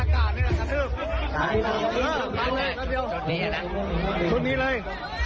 ชุดนี้เลย